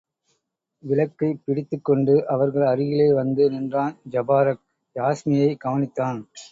விளக்கைப் பிடித்துக்கொண்டு அவர்கள் அருகிலே வந்து நின்றான் ஜபாரக், யாஸ்மியைக் கவனித்தான்.